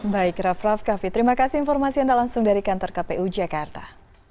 baik raff raff kaffi terima kasih informasi anda langsung dari kantor kpu jakarta